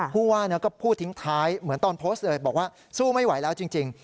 ผู้ว่าก็พูดทิ้งท้ายเหมือนตอนโพสต์เลยบอกว่าสู้ไม่ไหวแล้วจริง